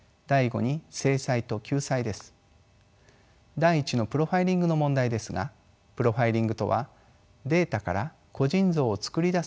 第１のプロファイリングの問題ですがプロファイリングとはデータから個人像を作り出すことを意味します。